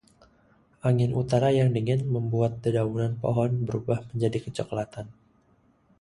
Angin utara yang dingin membuat dedaunan pohon berubah menjadi kecoklatan.